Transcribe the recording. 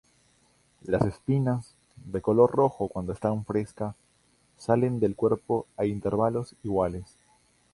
Las espinas, de color rojo cuando está fresca, salen del cuerpo a intervalos iguales.